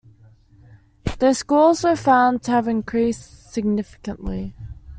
Their scores were found to have increased significantly.